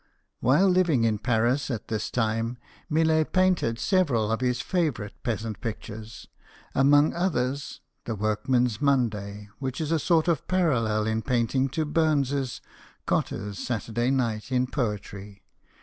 While living in Paris at this time, Millet painted several of his favourite peasant pictures, amongst others " The Workman's Monday," which is a sort of parallel in painting to Burns's " Cotter's Saturday Night" in poetry.